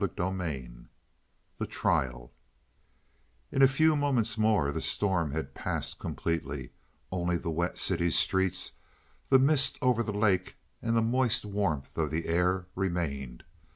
CHAPTER XXII THE TRIAL In a few moments more the storm had passed completely; only the wet city streets, the mist over the lake, and the moist warmth of the air remained.